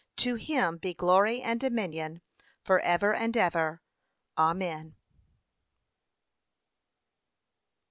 To him be glory and dominion for ever and ever. Amen.